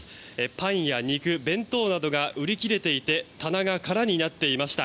パンや肉、弁当などが売り切れていて棚が空になっていました。